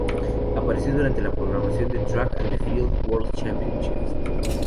Apareció durante la programación de Track and Field World Championships.